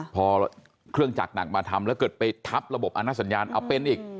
พอเครื่องจักรหนักมาทำแล้วเกิดไปทับระบบอาณสัญญาณเอาเป็นอีก